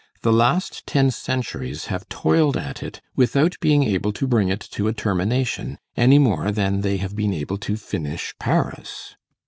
The last ten centuries have toiled at it without being able to bring it to a termination, any more than they have been able to finish Paris.